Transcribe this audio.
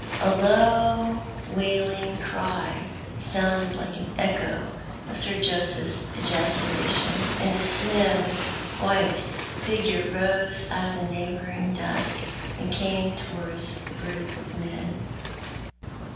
A low wailing cry sounded like an echo of Sir Joseph's ejacu lation, and a slim white figure rose out of the neighbouring dusk and came towards the group of men.